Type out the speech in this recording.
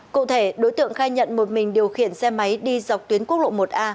cụ thể đối tượng khai nhận một mình điều khiển xe máy đi dọc tuyến quốc lộ một a